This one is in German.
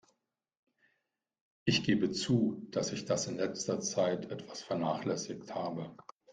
Ich gebe zu, dass ich das in letzter Zeit etwas vernachlässigt habe.